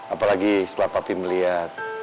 apalagi setelah papi melihat